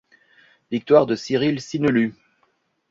Victoire de Cyril Cinelu.